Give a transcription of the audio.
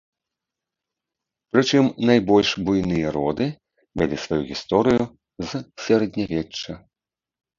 Прычым, найбольш буйныя роды вялі сваю гісторыю з сярэднявечча.